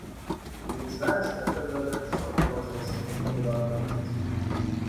Ты ведь знаешь, я вчера до трёх часов не ложился, нужно было окончить.